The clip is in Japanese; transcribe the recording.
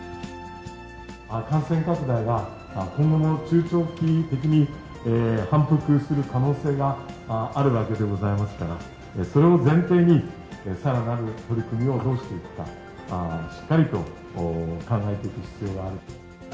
感染拡大は今後も中長期的に反復する可能性があるわけでございますから、それを前提に、さらなる取り組みをどうしていくか、しっかりと考えていく必要がある。